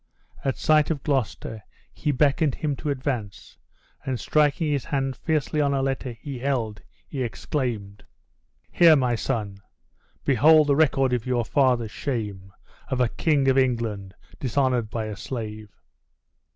At sight of Gloucester he beckoned him to advance, and striking his hand fiercely on a letter he held, he exclaimed: "Here, my son, behold the record of your father's shame! of a King of England dishonored by a slave!"